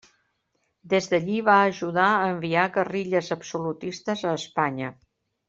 Des d'allí va ajudar a enviar guerrilles absolutistes a Espanya.